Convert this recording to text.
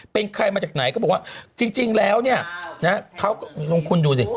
เป็นใครมาจากไหนก็บอกว่าจริงแล้วนางคุณดูสิ